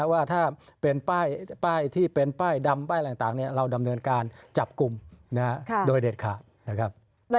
ว่าถ้าเป็นป้ายที่เป็นป้ายดำป้ายอะไรต่างเราดำเนินการจับกลุ่มโดยเด็ดขาดนะครับ